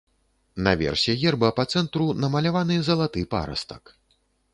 Наверсе герба па цэнтру намаляваны залаты парастак.